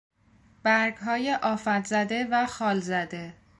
برگهای آفت زده و خال زده